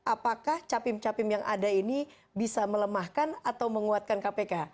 apakah capim capim yang ada ini bisa melemahkan atau menguatkan kpk